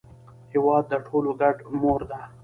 هېواد د ټولو ګډه مور ده.